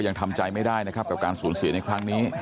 ยังทำใจไม่ได้นะครับกับการสูญเสียในครั้งนี้